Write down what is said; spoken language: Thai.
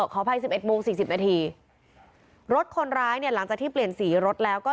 ขออภัยสิบเอ็ดโมงสี่สิบนาทีรถคนร้ายเนี่ยหลังจากที่เปลี่ยนสีรถแล้วก็